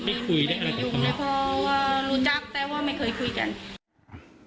ไม่เคยแบบว่ารู้จักแปลว่าไม่เคยคุยกัน